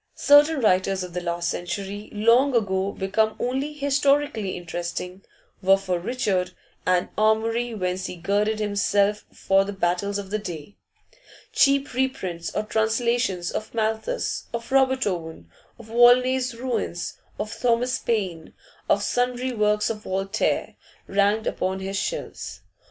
Certain writers of the last century, long ago become only historically interesting, were for Richard an armoury whence he girded himself for the battles of the day; cheap reprints or translations of Malthus, of Robert Owen, of Volney's 'Ruins,' of Thomas Paine, of sundry works of Voltaire, ranked upon his shelves.